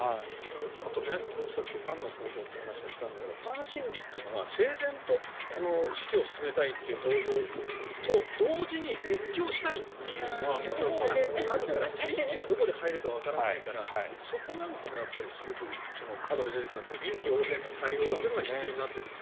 あと僕、さっきファンの行動という話をしたんだけどファン心理というのは整然と式を進めたいという同情と同時に熱狂したいっていう両方があるからスイッチがどこで入るかわからないからそこなんかもすごくあとで出てきますけれど臨機応変な対応が必要になってくる。